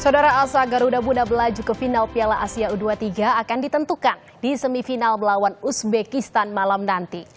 saudara alsa garuda bunda belaju ke final piala asia u dua puluh tiga akan ditentukan di semifinal melawan uzbekistan malam nanti